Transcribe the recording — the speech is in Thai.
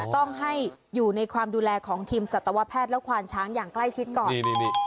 ต้องให้อยู่ในความดูแลของทีมสัตวแพทย์และควานช้างอย่างใกล้ชิดก่อน